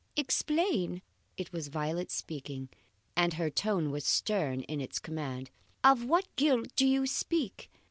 "Explain!" It was Violet speaking, and her tone was stern in its command. "Of what guilt do you speak?